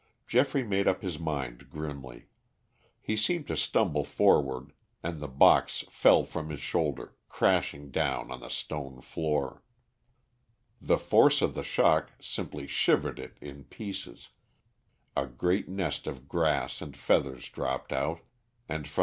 Geoffrey made up his mind grimly. He seemed to stumble forward, and the box fell from his shoulder, crashing down on the stone floor. The force of the shock simply shivered it in pieces, a great nest of grass and feathers dropped out, and from the inside a large mass of strange objects appeared.